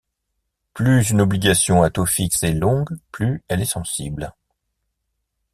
Plus une obligation à taux fixe est longue, plus elle est sensible.